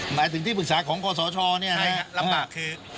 หมายถึงที่ปรึกษาของคอสอชอนี่นะใช่ครับลำบากคือ